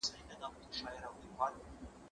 دا پاکوالي له هغه منظمه ده